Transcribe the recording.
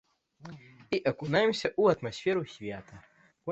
І акунаемся ў атмасферу свята.